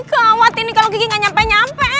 gawat ini kalau gigi enggak nyampe nyampe